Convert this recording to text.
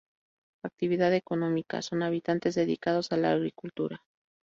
Actividad económica.- Son habitantes dedicados a la agricultura.